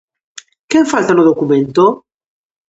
Que falta no documento?